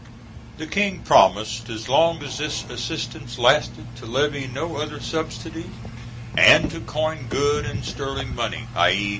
The King promised as long as this assistance lasted to levy no other subsidy and to coin good and sterling money i.e.